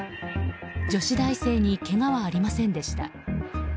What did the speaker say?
女子大生にけがはありませんでした。